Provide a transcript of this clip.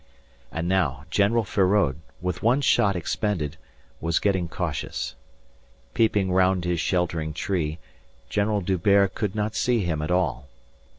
And now General Feraud, with one shot expended, was getting cautious. Peeping round his sheltering tree, General D'Hubert could not see him at all.